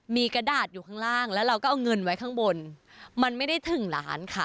มีกระดาษอยู่ข้างล่างแล้วเราก็เอาเงินไว้ข้างบนมันไม่ได้ถึงล้านค่ะ